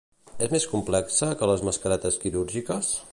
És més complexa que les mascaretes quirúrgiques?